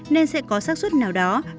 nên sẽ có sát xuất nào đó